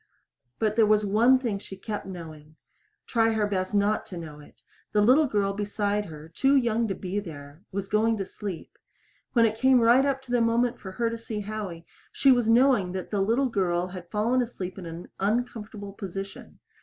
But there was one thing she kept knowing try her best not to know it! The little girl beside her, too young to be there, was going to sleep. When it came right up to the moment for her to see Howie, she was knowing that that little girl had fallen asleep in an uncomfortable position.